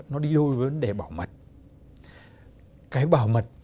nó đi lôi với vấn đề bảo mật